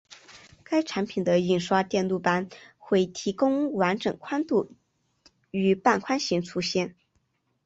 该产品的印刷电路板会提供完整宽度与半宽型出现。